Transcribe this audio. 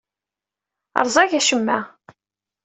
Rẓag acemma.